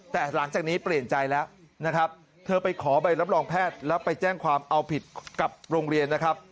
แต่หลังจากนี้เปลี่ยนใจแล้วนะครับเธอไปขอใบรับรองแพทย์แล้วไปแจ้งความเอาผิดกับโรงเรียนนะครับ